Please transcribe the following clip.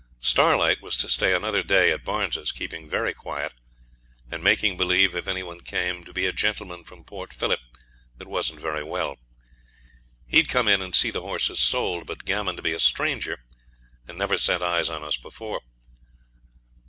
Starlight was to stay another day at Barnes's, keeping very quiet, and making believe, if any one came, to be a gentleman from Port Phillip that wasn't very well. He'd come in and see the horses sold, but gammon to be a stranger, and never set eyes on us before.